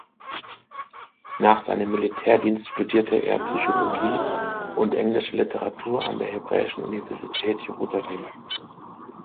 Nach seinem Militärdienst studierte er Psychologie und englische Literatur an der Hebräischen Universität Jerusalem.